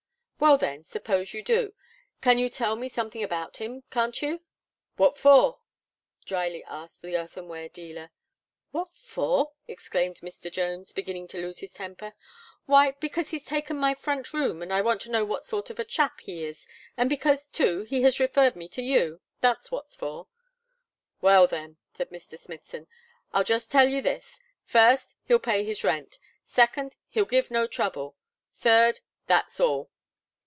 "Well then, s'pose you do you can tell me something about him, can't you?" "What for?" drily asked the earthenware dealer. "What for!" exclaimed Mr. Jones, beginning to lose his temper, "why, because he's taken my front room, and I want to know what sort of a chap he is, and because, too, he has referred me to you that's what for." "Well, then," said Mr. Smithson, "I'll just tell you this: first, he'll pay his rent; second, he'll give no trouble; third, that's all."